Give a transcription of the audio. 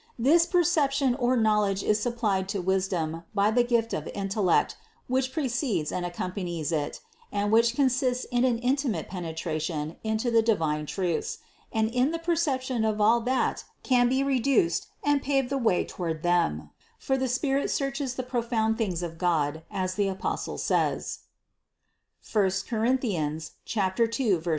This percep tion or knowledge is supplied to wisdom by the gift of in tellect, which precedes and accompanies it, and which consists in an intimate penetration into the divine truths, and in the perception of all that can be reduced and pave the way toward them; for the Spirit searches the pro found things of God, as the Apostle says (I Cor. 2, 10). 605.